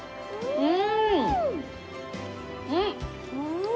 うん。